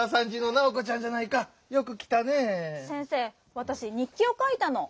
わたしにっきをかいたの。